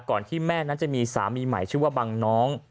ที่แม่นั้นจะมีสามีใหม่ชื่อว่าบังน้อง